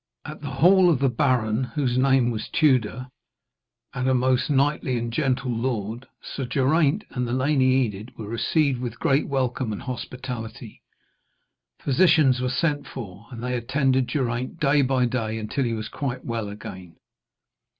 At the hall of the baron, whose name was Tewder, and a most knightly and gentle lord, Sir Geraint and the Lady Enid were received with great welcome and hospitality. Physicians were sent for, and they attended Geraint day by day until he was quite well again.